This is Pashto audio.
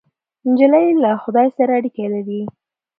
نجلۍ له خدای سره اړیکه لري.